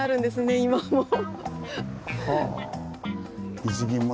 今も。